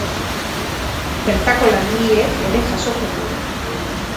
Bertako langileek ere jasoko dute.